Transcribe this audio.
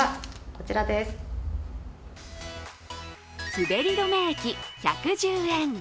滑り止め液１１０円。